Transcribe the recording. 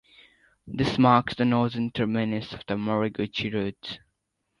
This marks the northern terminus of the Moriguchi Route.